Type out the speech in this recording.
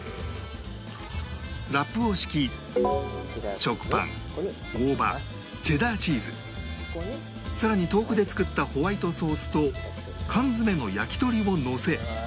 ラップを敷き食パン大葉チェダーチーズ更に豆腐で作ったホワイトソースと缶詰の焼き鳥をのせ